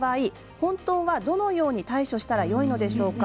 本当はどのように対処したらいいのでしょうか？